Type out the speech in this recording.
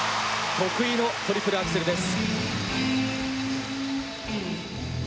得意のトリプルアクセルです。